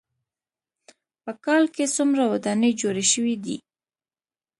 په کال کې څومره ودانۍ جوړې شوې دي.